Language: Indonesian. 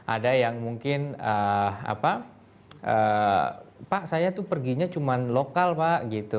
ada yang mungkin apa pak saya tuh perginya cuma lokal pak gitu